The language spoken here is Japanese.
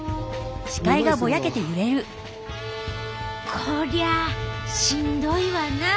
こりゃしんどいわなぁ。